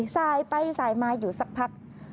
สายไปสายมาอยู่สักพัก